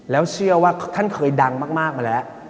แล้วเชื่อว่าท่านเคยดังมากมาแล้ว